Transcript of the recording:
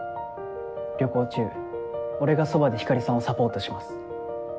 旅行中俺がそばでひかりさんをサポートします。